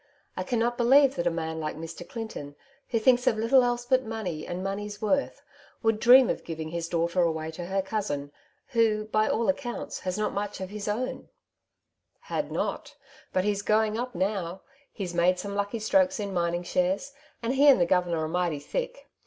'^ I cannot believe that a man like Mr. Clinton, who thinks of little else but money and money's worth, would dream of giving his daughter Tefnptation, in away to her cousin, who, by all accounts, has not much of his own/^ *^ Had not ; but he^s going up now j he^s made some lucky strokes in mining shares, and he and the governor are mighty thick.